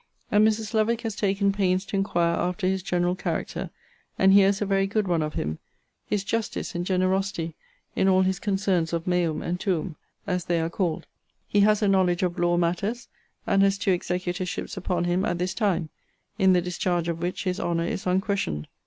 And Mrs. Lovick has taken pains to inquire after his general character; and hears a very good one of him, his justice and generosity in all his concerns of meum and tuum, as they are called: he has a knowledge of law matters; and has two executorships upon him at this time, in the discharge of which his honour is unquestioned.